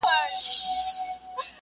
د نورو خلګو نظرياتو ته درناوی وکړئ.